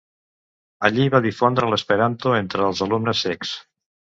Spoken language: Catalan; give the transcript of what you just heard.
Allí va difondre l'esperanto entre els alumnes cecs.